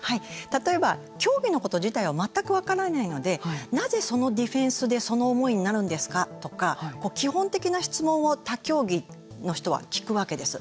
例えば、競技のこと自体は全く分からないのでなぜ、そのディフェンスでその思いになるんですかとか基本的な質問を他競技の人は聞くわけです。